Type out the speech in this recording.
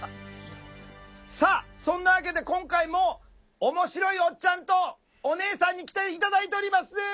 さあそんなわけで今回も面白いおっちゃんとおねえさんに来て頂いております。